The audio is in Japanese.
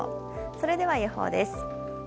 それでは予報です。